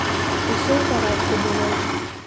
Усё ў парадку было.